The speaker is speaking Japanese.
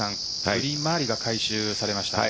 グリーン周りが改修されましたね。